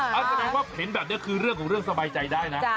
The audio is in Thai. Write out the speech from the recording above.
หมายถึงว่าทินแบบนี้คือเรื่องสบายใจได้นะ